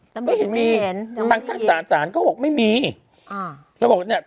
แต่ไม่เห็นมีเห็นทางศาลศาลก็บอกไม่มีอ่าแล้วบอกเนี้ย